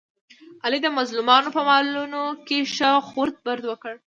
علي د مظلومانو په مالونو کې ښه خورد برد وکړ.